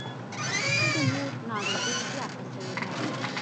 چې د مور ناروغي زياته سوې ده.